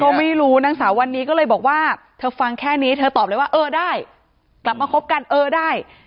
ก็ไม่รู้นางสาววันนี้ก็เลยบอกว่าเธอฟังแค่นี้เธอตอบเลยว่าเออได้กลับมาคบกันเออได้